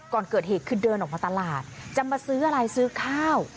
ก่อนเกิดเหตุคือเดินออกมาตลาดจะมาซื้ออะไรซื้อข้าว